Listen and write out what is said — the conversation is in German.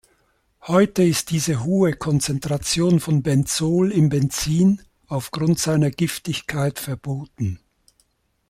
Heute ist diese hohe Konzentration von Benzol im Benzin aufgrund seiner Giftigkeit verboten.